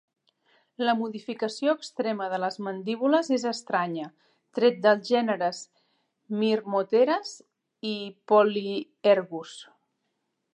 La modificació extrema de les mandíbules és estranya, tret dels gèneres "Myrmoteras" i "Polyergus".